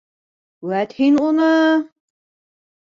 Вәт һин уны!